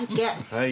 はい。